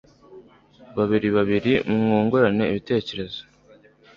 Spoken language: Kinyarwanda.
babiri babiri mwungurana ibitekerezo.